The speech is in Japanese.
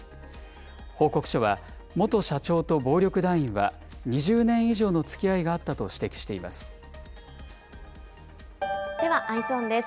報告書は、元社長と暴力団員は２０年以上のつきあいがあったと指では、Ｅｙｅｓｏｎです。